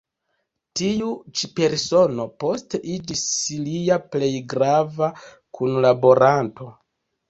Tiu ĉi persono poste iĝis lia plej grava kunlaboranto.